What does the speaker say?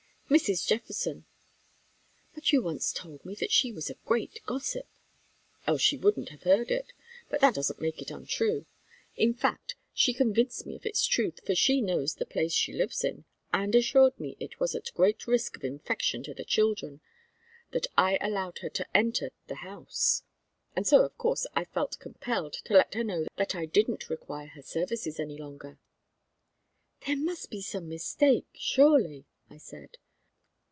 "Mrs. Jeffreson." "But you once told me that she was a great gossip." "Else she wouldn't have heard it. But that doesn't make it untrue. In fact, she convinced me of its truth, for she knows the place she lives in, and assured me it was at great risk of infection to the children that I allowed her to enter the house; and so, of course, I felt compelled to let her know that I didn't require her services any longer." "There must be some mistake, surely!" I said.